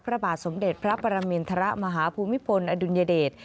พระบาทสมเด็จพระปรมินทรมาฮภูมิพลอดุลยเดช